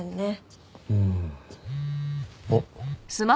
うん。おっ。